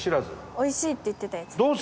美味しいって言ってたやつ。